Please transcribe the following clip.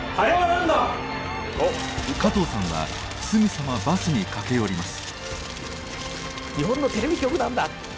加藤さんはすぐさまバスに駆け寄ります。